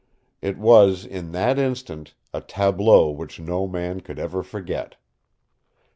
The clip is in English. It was, in that instant, a tableau which no man could ever forget.